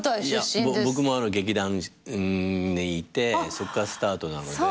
僕も劇団にいてそっからスタートなので。